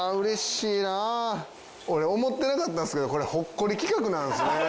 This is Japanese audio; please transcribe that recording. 俺思ってなかったんですけどこれほっこり企画なんすね。